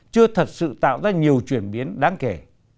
chưa thật sự tạo ra nhiều chuyển biến đáng kể